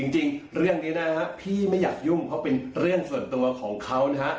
จริงเรื่องนี้นะครับพี่ไม่อยากยุ่งเพราะเป็นเรื่องส่วนตัวของเขานะฮะ